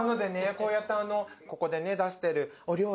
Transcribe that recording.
こうやってここでね出してるお料理